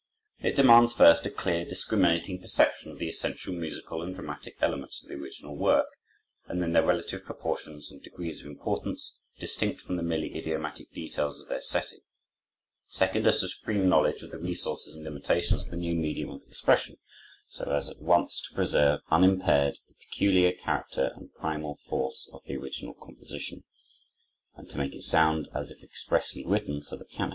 It demands, first, a clear, discriminating perception of the essential musical and dramatic elements of the original work, in their relative proportions and degrees of importance, distinct from the merely idiomatic details of their setting; second, a supreme knowledge of the resources and limitations of the new medium of expression, so as at once to preserve unimpaired the peculiar character and primal force of the original composition, and to make it sound as if expressly written for the piano.